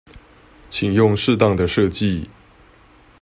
請用適當的設計